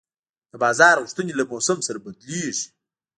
د بازار غوښتنې له موسم سره بدلېږي.